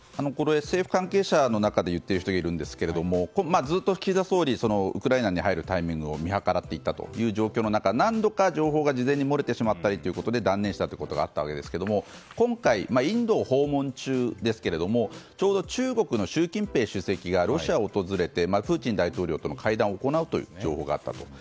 政府関係者の中で言っている人がいるんですがずっと岸田総理ウクライナに入るタイミングを見計らっていたという状況の中何度か、情報が事前に漏れてしまったりで断念したりしていたんですが今回、インドを訪問中ですがちょうど中国の習近平主席がロシアを訪れてプーチン大統領との会談を行う情報があったと。